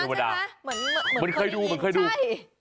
เหมือนเหมือนเคยดูเหมือนเคยดูใช่